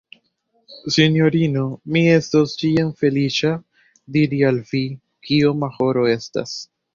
Sinjorino, mi estos ĉiam feliĉa, diri al vi, kioma horo estas.